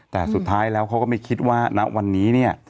แต่สุดท้ายแล้วเขาก็ไม่คิดว่าณวันนี้เนี่ย